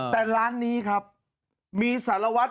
แต่ร้านนี้ครับมีสารวัตร